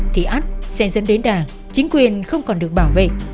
thì át sẽ dẫn đến đà chính quyền không còn được bảo vệ